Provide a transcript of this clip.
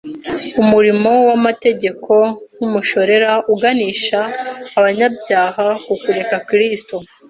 ’umurimo w’amategeko nk’umushorera uganisha abanyabyaha ku kureba Kristo